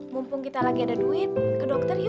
mumpung kita lagi ada duit ke dokter yuk